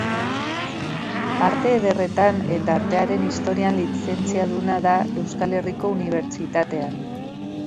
Arte Ederretan eta Artearen Historian lizentziaduna da Euskal Herriko Unibertsitatean.